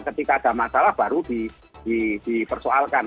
ketika ada masalah baru dipersoalkan